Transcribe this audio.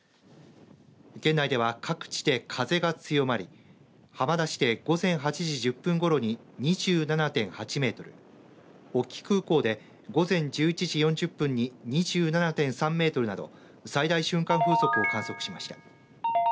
県内では、各地で風が強まり浜田市で午前８時１０分ごろに２７．８メートル隠岐空港で午前１１時４０分に２７．３メートルなど最大瞬間風速を観測しました。